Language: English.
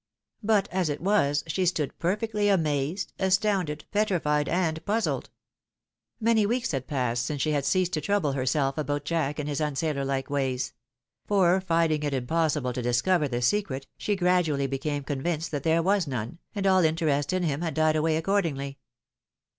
But as it was, she stood perfectly amazed, astounded, petrified, and puzzled. Many weeks ha,d passed since she had ceased to trouble herself about Jack and his unsailor like ways; for, finding it impossible to discover the Ob TirE WIDOW MARRIED. secret, she gradually became convinced that there was none, and all interest in him had died away accordingly.